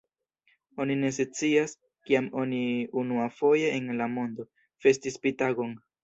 Oni ne scias, kiam oni unuafoje en la mondo festis Pi-tagon.